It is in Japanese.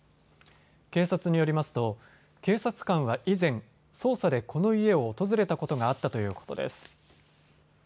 警察によりますと警察官は以前、捜査でこの家を訪れたことがあったということです。